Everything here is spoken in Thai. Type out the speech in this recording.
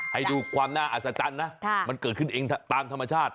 ให้ดูความน่าอัศจรรย์นะมันเกิดขึ้นเองตามธรรมชาติ